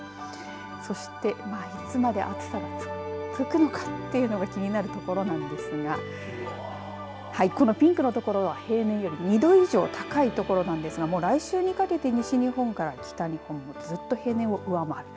そして、いつまで暑さが続くのかというのが気になるところなんですがこのピンクのところは平年より２度以上高いところなんですが来週にかけて西日本から北日本ずっと平年を上回る。